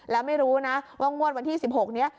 แล้วไม่รู้นะว่างวดวันที่๑๖นี้